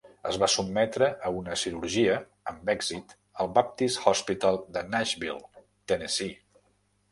Es va sotmetre a una cirurgia amb èxit al Baptist Hospital de Nashville, Tennessee.